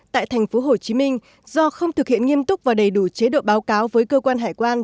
tại tp hcm do không thực hiện nghiêm túc và đầy đủ chế độ báo cáo với cơ quan hải quan